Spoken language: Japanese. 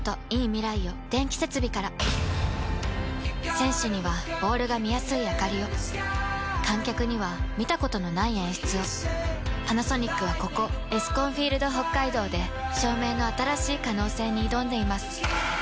選手にはボールが見やすいあかりを観客には見たことのない演出をパナソニックはここエスコンフィールドＨＯＫＫＡＩＤＯで照明の新しい可能性に挑んでいます